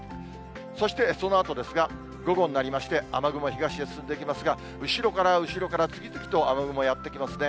そしてそのあとですが、午後になりまして、雨雲、東へ進んでいきますが、後ろから、後ろから、次々と雨雲やって来ますね。